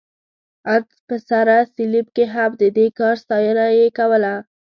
ان په سره صلیب کې هم، د دې کار ستاینه یې کوله.